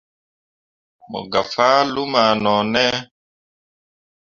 Mo gah fah luma no ne.